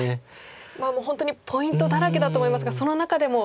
まあもう本当にポイントだらけだと思いますがその中でも一番のポイント